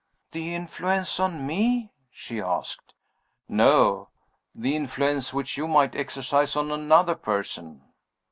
"The influence on Me?" she asked. "No. The influence which You might exercise on another person."